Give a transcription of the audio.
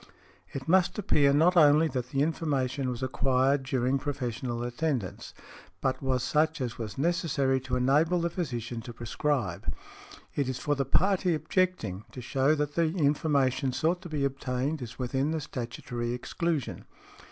It must appear not only that the information was acquired during professional attendance, but was such as was necessary to enable the physician to prescribe. It is for the party objecting to shew that the information sought to be obtained is within the statutory exclusion.